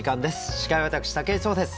司会は私武井壮です。